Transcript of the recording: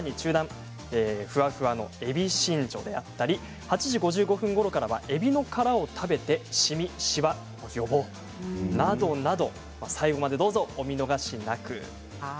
ふわふわのえびしんじょ８時５５分ごろからはえびの殻を食べてしみ、しわを予防などなど最後までどうぞお見逃しなく。